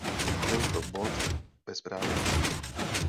Tento bod ve zprávě chybí.